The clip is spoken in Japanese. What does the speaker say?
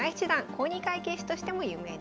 公認会計士としても有名です。